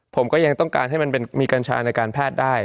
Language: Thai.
ผมก็ยังต้องการให้มันมีกัญชาในการแพทย์ได้